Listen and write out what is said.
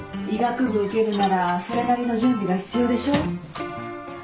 医学部受けるならそれなりの準備が必要でしょ。